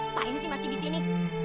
apaan sih masih disini